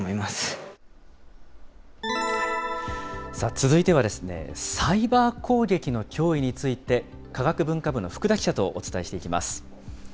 続いては、サイバー攻撃の脅威について、科学文化部の福田記者とお伝えします。